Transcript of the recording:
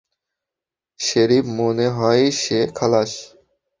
Sheriff, মনে হয় সে খালাশ।